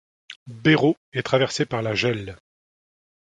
Béraut est traversé par la Gèle.